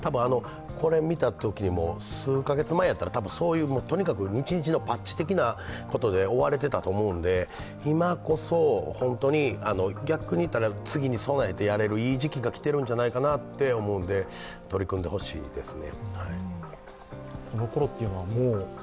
これを見たときにも、数カ月前だったら、とにかくパッチ的なことで追われていたと思うので今こそ、本当に、逆に言ったら次に備えてやれるいい時期が来ているんじゃないかなと思うので、取り組んでほしいですね。